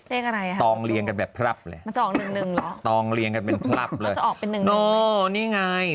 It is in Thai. เลขอะไรครับตรงเรียงกันแบบพรับเลยตรงเรียงกันเป็นพรับเลยโอ้นี่ไง